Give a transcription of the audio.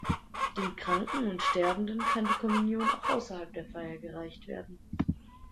Den Kranken und Sterbenden kann die Kommunion auch außerhalb der Feier gereicht werden.